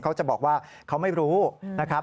เขาจะบอกว่าเขาไม่รู้นะครับ